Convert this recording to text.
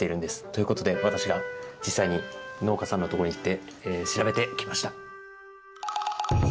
ということで私が実際に農家さんのところに行って調べてきました。